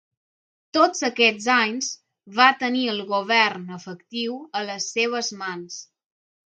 Tots aquests anys va tenir el govern efectiu a les seves mans.